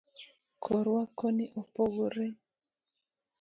korwa koni opogre